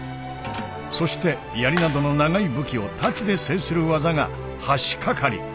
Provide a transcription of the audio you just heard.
そして槍などの長い武器を太刀で制する技が「橋かかり」。